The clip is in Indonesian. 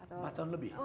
empat tahun lebih